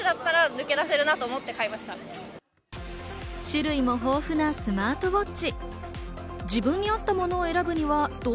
種類も豊富なスマートウォッ